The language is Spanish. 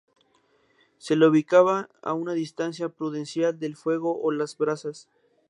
Se la ubica a una distancia prudencial del fuego o las brasas.